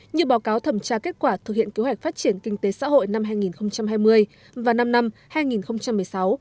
như báo cáo thẩm tra kết quả thực hiện kế hoạch phát triển kinh tế xã hội năm hai nghìn hai mươi và năm năm hai nghìn một mươi sáu hai nghìn hai mươi